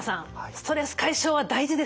ストレス解消は大事ですね。